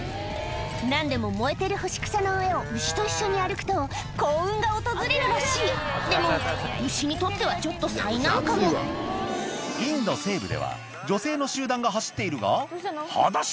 何でも燃えてる干し草の上を牛と一緒に歩くと幸運が訪れるらしいでも牛にとってはちょっと災難かもインド西部では女性の集団が走っているがはだし？